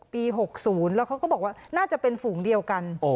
๖๐แล้วเขาก็บอกว่าน่าจะเป็นฝูงเดียวกัน